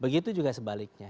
begitu juga sebaliknya